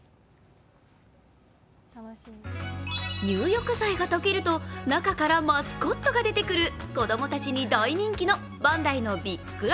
入浴剤が溶けると中からマスコットが出てくる子供たちに大人気のバンダイのびっくら？